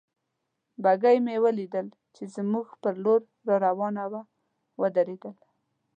بګۍ مې ولیدل چې زموږ پر لور را روانه وه، ودرېدل.